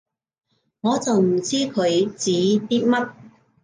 我就唔知佢指啲乜